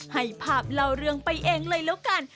ให้ภาพเล่าเรื่องไปเองเลยแล้วกัน